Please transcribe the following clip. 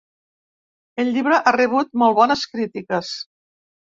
El llibre ha rebut molt bones crítiques.